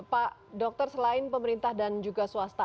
pak dokter selain pemerintah dan juga swasta